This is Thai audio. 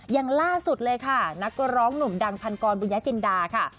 อย่างล่าสุดเลยค่ะนักร้องหนุ่มดังพันกรบุญญาจินดาค่ะ